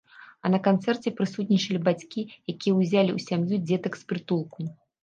А на канцэрце прысутнічалі бацькі, якія ўзялі ў сям'ю дзетак з прытулку.